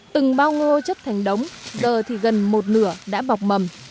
từng bao ngô chất thành đống giờ thì gần một nửa đã bọc mầm